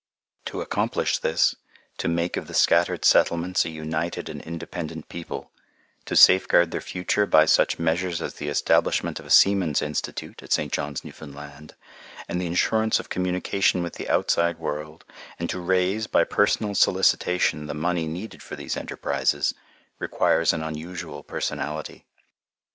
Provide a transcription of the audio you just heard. To accomplish this, to make of the scattered settlements a united and independent people, to safeguard their future by such measures as the establishment of a Seamen's Institute at St. John's, Newfoundland, and the insurance of communication with the outside world, and to raise, by personal solicitation, the money needed for these enterprises, requires an unusual personality.